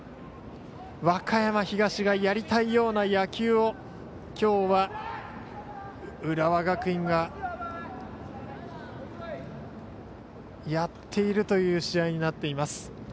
和歌山東がやりたいような野球をきょうは浦和学院がやっているという試合になっています。